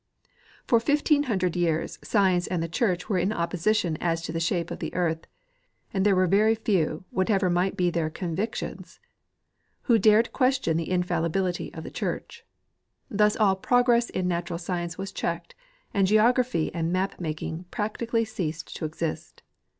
For 1,500 years science and the church were in opposition as to the shape of the earth, and there were very few, whatever might be their convictions, who dared question the infallibility of the church. Thus all progress in natural science was checked, and geography and map making practically ceased to exist.